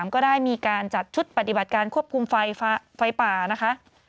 ก็ได้มีการจัดชุดปฏิบัติการควบคุมไฟป่านะคะ